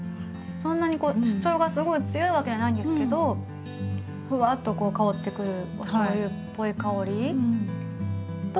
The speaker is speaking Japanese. そんなに主張がすごい強いわけじゃないんですけどふわっとこう香ってくるおしょうゆっぽい香りと。